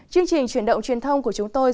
chương trình chuyển động truyền thông của chúng tôi